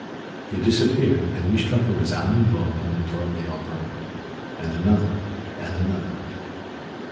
They disappeared, and we struck a resounding blow upon the door of the albergo, and another and another.